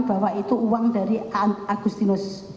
bahwa itu uang dari agustinus